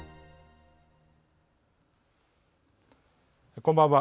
こんばんは。